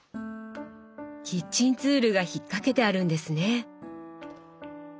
キッチンツールが引っ掛けてあるんですね。